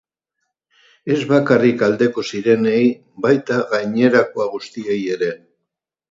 Ez bakarrik aldeko zirenei, baita gainerako guztiei ere.